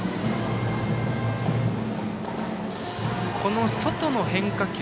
この外の変化球。